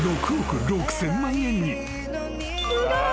すごい。